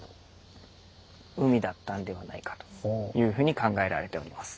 海だったんではないかというふうに考えられております。